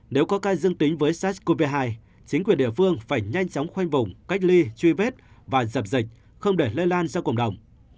nếu có ca dương tính với sars cov hai chính quyền địa phương phải nhanh chóng khoanh vùng cách ly truy vết và dập dịch không để lây lan ra cộng đồng